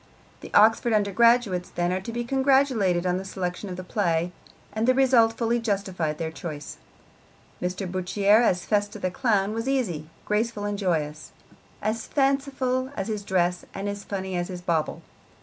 The Oxford undergraduates, then, are to be congratulated on the selection of the play, and the result fully justified their choice. Mr. Bourchier as Festa the clown was easy, graceful and joyous, as fanciful as his dress and as funny as his bauble.